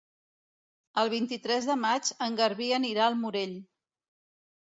El vint-i-tres de maig en Garbí anirà al Morell.